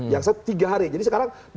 yang saya tiga hari jadi sekarang